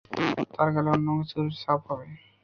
তার গালে অন্যকিছুর ছাপ হবে।